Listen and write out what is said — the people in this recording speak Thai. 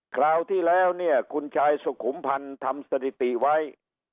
คราวที่แล้วเนี่ยคุณชายสุขุมพันธ์ทำสถิติไว้